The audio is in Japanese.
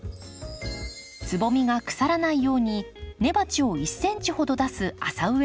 つぼみが腐らないように根鉢を１ｃｍほど出す浅植えにします。